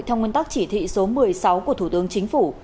theo nguyên tắc chỉ thị số một mươi sáu của thủ tướng chính phủ